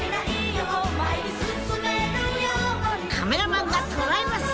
カメラマンが捉えます